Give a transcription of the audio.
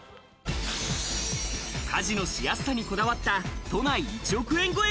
家事のしやすさにこだわった都内１億円超え